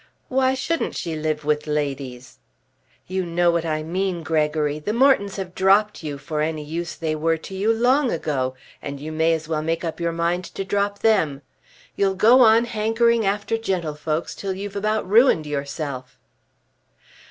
"Why shouldn't she live with ladies?" "You know what I mean, Gregory. The Mortons have dropped you, for any use they were to you, long ago, and you may as well make up your mind to drop them. You'll go on hankering after gentlefolks till you've about ruined yourself."